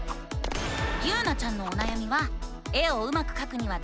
ゆうなちゃんのおなやみは「絵をうまくかくにはどうすればいいの？」